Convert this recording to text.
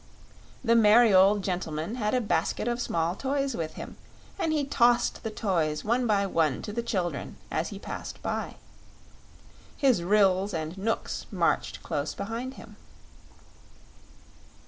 The merry old gentleman had a basket of small toys with him, and he tossed the toys one by one to the children as he passed by. His Ryls and Knooks marched close behind him.